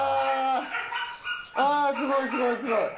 あすごいすごいすごい。